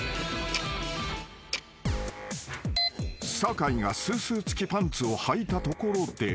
［酒井がスースー付きパンツをはいたところで］